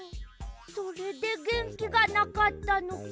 それでげんきがなかったのか。